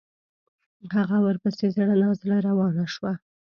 هغه ورپسې زړه نا زړه روانه شوه.